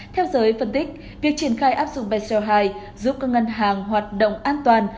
theo giới phân tích việc triển khai áp dụng bseo hai giúp các ngân hàng hoạt động an toàn